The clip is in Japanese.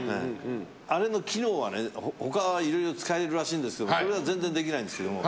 あれの機能は他いろいろ使えるらしいんですけどそれは全然できないんですけども。